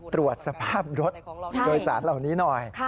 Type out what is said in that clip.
ตรวจสภาพรถโดยสารเหล่านี้หน่อย